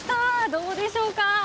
どうでしょうか。